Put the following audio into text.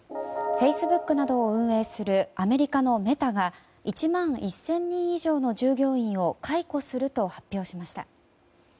フェイスブックなどを運営するアメリカのメタが１万１０００人以上の従業員を解雇すると発表しました。